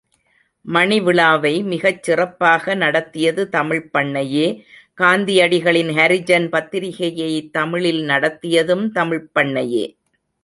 மணிவிழாவை மிகச் சிறப்பாக நடத்தியது தமிழ்ப் பண்ணையே காந்தியடிகளின் ஹரிஜன் பத்திரிகையைத் தமிழில் நடத்தியதும் தமிழ்ப் பண்ணையே!